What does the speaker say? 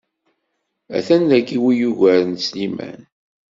A-t-an dagi win yugaren Sliman.